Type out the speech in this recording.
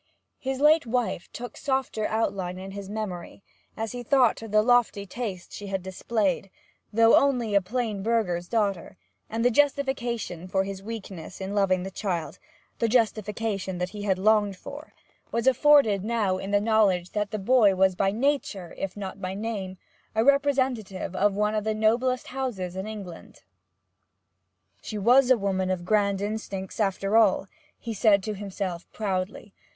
His late wife took softer outline in his memory, as he thought of the lofty taste she had displayed, though only a plain burgher's daughter, and the justification for his weakness in loving the child the justification that he had longed for was afforded now in the knowledge that the boy was by nature, if not by name, a representative of one of the noblest houses in England. 'She was a woman of grand instincts, after all,' he said to himself proudly.